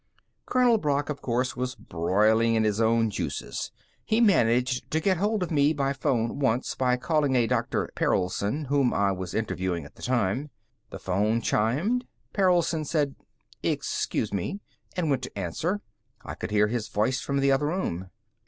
Colonel Brock, of course, was broiling in his own juices. He managed to get hold of me by phone once, by calling a Dr. Perelson whom I was interviewing at the time. The phone chimed, Perelson said, "Excuse me," and went to answer. I could hear his voice from the other room.